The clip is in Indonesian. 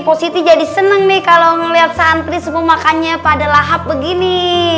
impositi jadi seneng nih kalau melihat santriwati pemakannya pada lahap begini